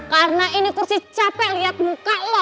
karena ini kursi capek liat muka lo